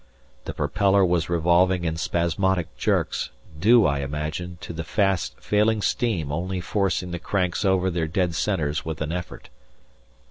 The propeller was revolving in spasmodic jerks, due, I imagine, to the fast failing steam only forcing the cranks over their dead centres with an effort.